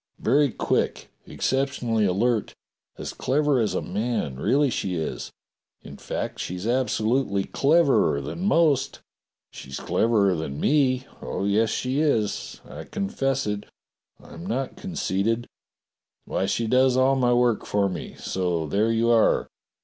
Very quick; exceptionally alert. As clever as a man, really she is. In fact, she's ab solutely cleverer than most. She's cleverer than me. Oh, yes, she is. I confess it. I'm not conceited. Why, she does all my work for me — so there you are.